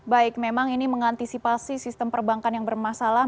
baik memang ini mengantisipasi sistem perbankan yang bermasalah